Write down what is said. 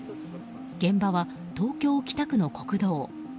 現場は東京・北区の国道。